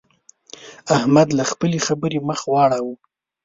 احمد له خپلې خبرې مخ واړاوو.